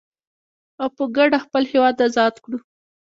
او په کډه خپل هيواد ازاد کړو.